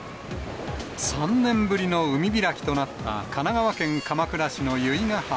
３年ぶりの海開きとなった神奈川県鎌倉市の由比ガ浜。